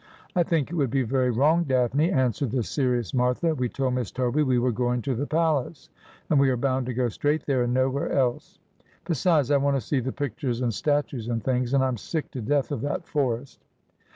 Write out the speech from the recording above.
'I think it would be very wrong. Daphne,' answered the serious Martha. ' We told Miss Toby we were going to the palace, and we are bound to go straight there and nowhere else. Besides, I want to see the pictures and statues and things, and I am sick to death of that forest.'